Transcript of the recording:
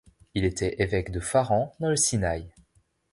Il était évêque de Pharan dans le Sinaï.